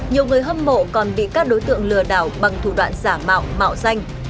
nhiều người hâm mộ còn bị các đối tượng lừa đảo bằng thủ đoạn giả mạo mạo danh